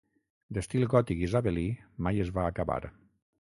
D'estil gòtic isabelí, mai es va acabar.